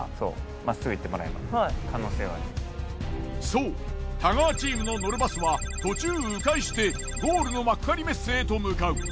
そう太川チームの乗るバスは途中迂回してゴールの幕張メッセへと向かう。